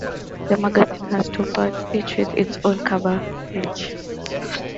The magazine has two parts, each with its own cover page.